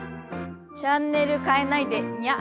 チャンネルかえないでにゃ。